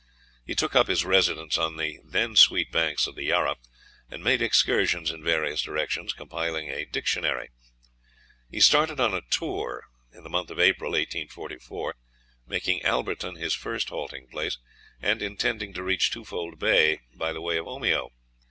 He took up his residence on the then sweet banks of the Yarra, and made excursions in various directions, compiling a dictionary. He started on a tour in the month of April, 1844, making Alberton his first halting place, and intending to reach Twofold Bay by way of Omeo.